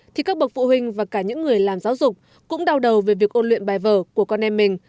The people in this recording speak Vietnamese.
thì các bậc phụ huynh và cả những người làm giáo dục cũng đau đầu về việc ôn luyện bài vở của con em mình